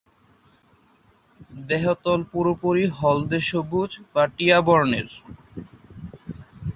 দেহতল পুরোপুরি হলদে-সবুজ বা টিয়া বর্ণের।